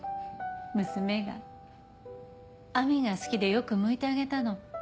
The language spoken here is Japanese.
娘が亜美が好きでよくむいてあげたの。